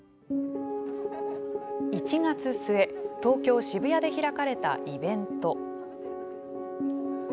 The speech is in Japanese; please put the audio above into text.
１月末東京、渋谷で開かれたイベント。